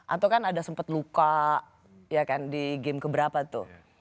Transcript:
atau kan ada sempat luka ya kan di game keberapa tuh